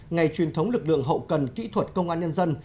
ngày truyền thống lực lượng hậu cần kỹ thuật công an nhân dân